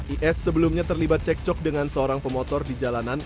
is sebelumnya terlibat cekcok dengan seorang pemotor di jalanan